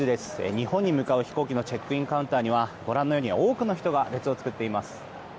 日本に向かう飛行機のチェックインカウンターにはご覧のように多くの人が列を作っています。